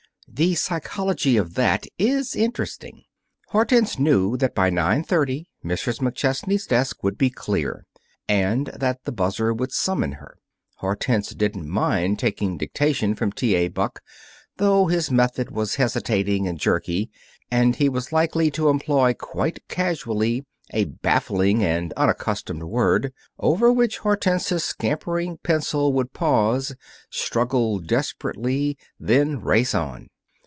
The psychology of that is interesting. Hortense knew that by nine thirty Mrs. McChesney's desk would be clear and that the buzzer would summon her. Hortense didn't mind taking dictation from T. A. Buck, though his method was hesitating and jerky, and he was likely to employ quite casually a baffling and unaccustomed word, over which Hortense's scampering pencil would pause, struggle desperately, then race on.